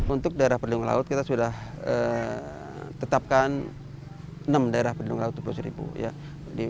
untuk daerah perlindungan laut kita sudah tetapkan enam daerah perlindungan laut kepulau seribu